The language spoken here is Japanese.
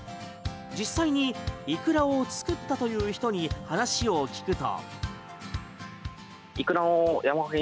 実際にイクラを作ったという人に話を聞くと。